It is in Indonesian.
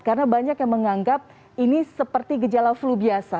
karena banyak yang menganggap ini seperti gejala flu biasa